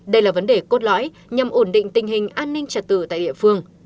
đây là vấn đề cốt lõi nhằm ổn định tình hình an ninh trật tự tại địa phương